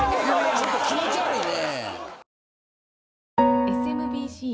ちょっと気持ち悪いね。